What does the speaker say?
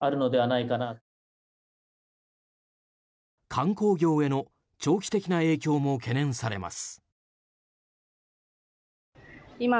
観光業への長期的な影響も懸念されます。